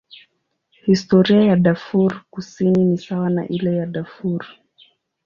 Historia ya Darfur Kusini ni sawa na ile ya Darfur.